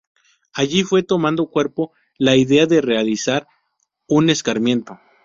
Allí fue tomando cuerpo la idea de realizar un escarmiento.